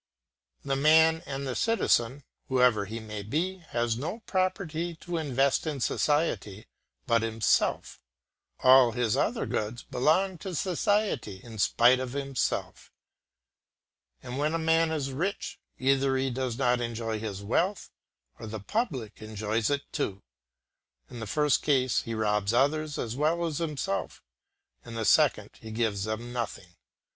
The man and the citizen, whoever he may be, has no property to invest in society but himself, all his other goods belong to society in spite of himself, and when a man is rich, either he does not enjoy his wealth, or the public enjoys it too; in the first case he robs others as well as himself; in the second he gives them nothing.